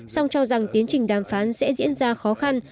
song cho rằng tiến trình đàm phán sẽ diễn ra khó khăn